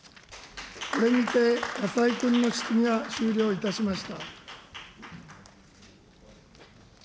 これにて笠井君の質疑は終了いたしました。